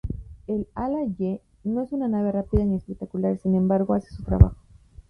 El Ala-Y no es una nave rápida ni espectacular, sin embargo hace su trabajo.